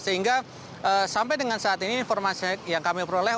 sehingga sampai dengan saat ini informasi yang kami peroleh